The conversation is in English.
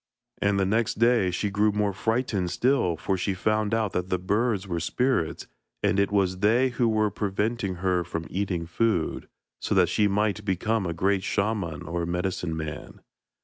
And the next day she grew more frightened still, for she found out that the birds were spirits, and it was they who were preventing her from eating food, so that she might become a great shaman or medicine man.